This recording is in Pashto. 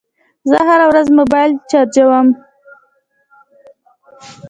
زه هره ورځ موبایل چارجوم.